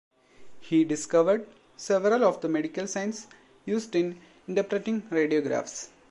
He discovered several of the medical signs used in interpreting radiographs.